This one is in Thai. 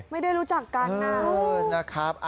ไม่ได้รู้จักกัน